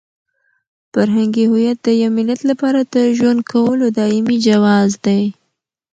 فرهنګي هویت د یو ملت لپاره د ژوند کولو دایمي جواز دی.